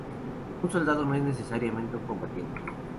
Un soldado no es necesariamente un combatiente.